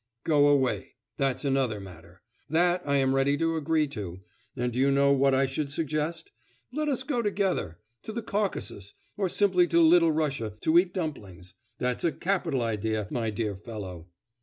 'Go away... that's another matter! That I am ready to agree to. And do you know what I should suggest? Let us go together to the Caucasus, or simply to Little Russia to eat dumplings. That's a capital idea, my dear fellow!